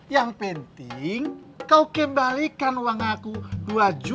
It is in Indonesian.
yang penting kau kembalikan uang aku rp dua lima ratus